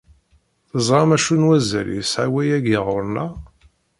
Teẓram acu n wazal yesɛa wayagi ɣer-neɣ?